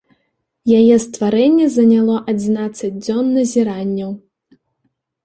Яе стварэнне заняло адзінаццаць дзён назіранняў.